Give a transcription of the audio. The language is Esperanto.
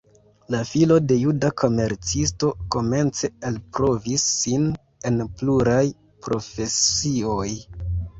La filo de juda komercisto komence elprovis sin en pluraj profesioj.